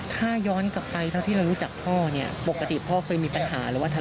ถ้าย้อนกลับไปก็ที่เรารู้จักพ่อบอกว่าพ่อเคยมีปัญหาไหม